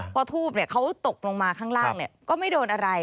พอทูบเขาตกลงมาข้างล่างก็ไม่โดนอะไร